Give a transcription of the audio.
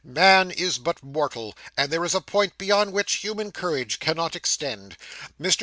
Man is but mortal; and there is a point beyond which human courage cannot extend. Mr.